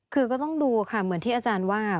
คือก็ต้องดูค่ะเหมือนที่อาจารย์ว่า